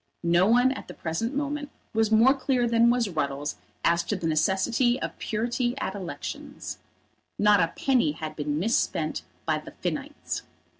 No one at the present moment was more clear than was Ruddles as to the necessity of purity at elections. Not a penny had been misspent by the Finnites.